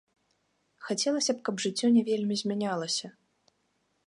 Хацелася б, каб жыццё не вельмі змянялася.